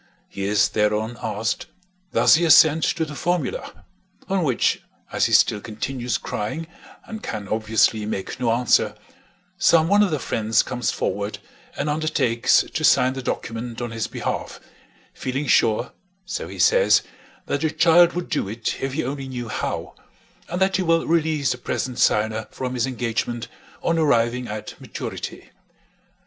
He is thereon asked, Does he assent to the formula? on which, as he still continues crying and can obviously make no answer, some one of the friends comes forward and undertakes to sign the document on his behalf, feeling sure (so he says) that the child would do it if he only knew how, and that he will release the present signer from his engagement on arriving at maturity.